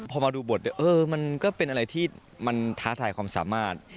พอมาดูบทมันก็เป็นอะไรที่มันท้าทายความสามารถ